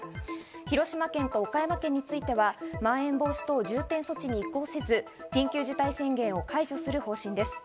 広島県と岡山県については、まん延防止等重点措置に移行せず緊急事態宣言を解除する方針です。